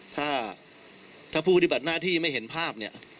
ถ้าผู้ปฏิบัติหน้าที่ไม่เห็นภาพ